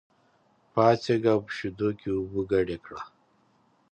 پاڅېږه او په شېدو کې اوبه ګډې کړه.